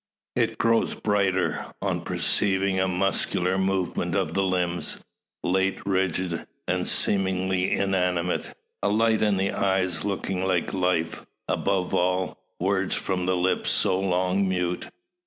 It grows brighter, on perceiving a muscular movement of the limbs, late rigid and seemingly inanimate, a light in the eyes looking like life; above all, words from the lips so long mute.